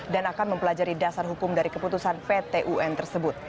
dan akan mempelajari dasar hukum dari keputusan pt un tersebut